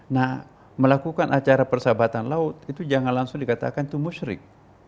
nah melakukan acara persahabatan laut itu jangan langsung dikatakan itu musyrik